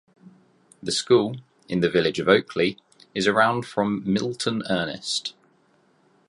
The school, in the village of Oakley, is around from Milton Ernest.